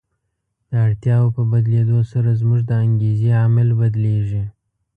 د اړتیاوو په بدلېدو سره زموږ د انګېزې عامل بدلیږي.